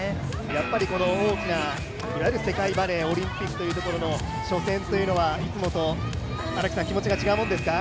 やはり大きな、世界バレー、オリンピックというところの初戦というのは、いつもと気持ちが違うものですか？